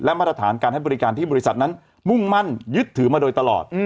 มาตรฐานการให้บริการที่บริษัทนั้นมุ่งมั่นยึดถือมาโดยตลอด